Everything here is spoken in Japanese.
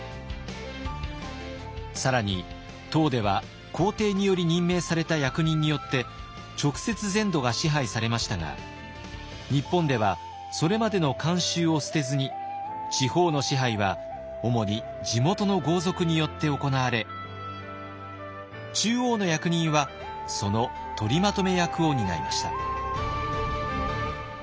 更に唐では皇帝により任命された役人によって直接全土が支配されましたが日本ではそれまでの慣習を捨てずに地方の支配は主に地元の豪族によって行われ中央の役人はその取りまとめ役を担いました。